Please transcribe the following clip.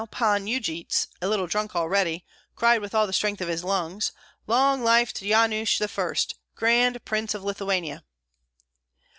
Now Pan Yujits, a little drunk already, cried with all the strength of his lungs, "Long life to Yanush I., Grand Prince of Lithuania!"